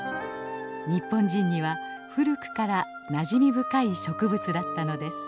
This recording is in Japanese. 日本人には古くからなじみ深い植物だったのです。